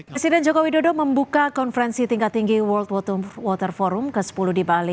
presiden joko widodo membuka konferensi tingkat tinggi world wortem water forum ke sepuluh di bali